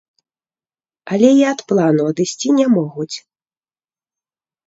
Але і ад плану адысці не могуць.